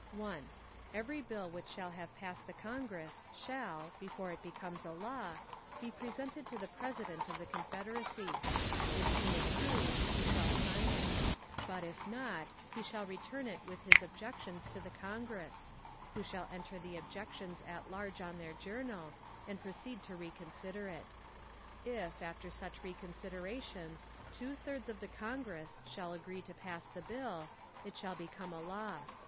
Every bill which shall have passed the Congress shall, before it becomes a law, be presented to the President of the Confederacy; if he approve, he shall sign it; but, if not, he shall return it with his objections to the Congress, who shall enter the objections at large on their journal, and proceed to reconsider it. If, after such reconsideration, two thirds of the Congress shall agree to pass the bill, it shall become a law.